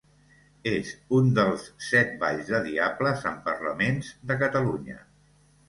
És un dels set balls de diables amb parlaments de Catalunya.